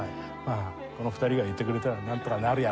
この２人がいてくれたらなんとかなるや。